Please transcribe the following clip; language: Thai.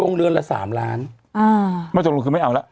โรงเรียนละสามล้านอ่าว่าจะรู้คือไม่เอาแล้ว